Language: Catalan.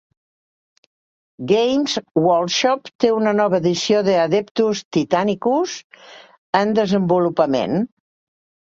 Games Workshop té una nova edició de "Adeptus Titanicus" en desenvolupament.